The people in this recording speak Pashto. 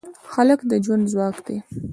هلک د ژوند ځواک دی.